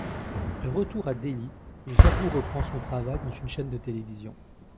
De retour à Delhi, Jaggu reprend son travail dans une chaîne de télévision.